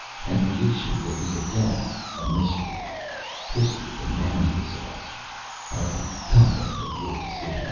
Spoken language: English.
And creation will be again a mystery. History demands this of us. I am confident of your decision.